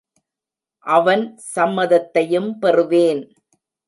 அவன் சம்மதத்தையும் பெறுவேன்.